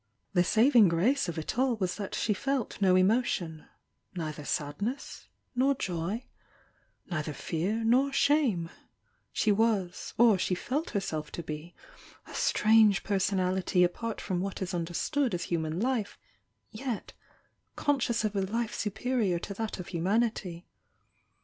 The saving grace of it all was that she felt no emo tion, — neither sadness nor joy — neither fear nor shame; — she was, or she felt herself to be a strange personality apart from what is understood as human life, yet conscious of a life superior to that of hu manity.